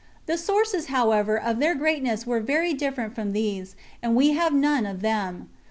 The sources, however, of their greatness were very different from these, and we have none of them.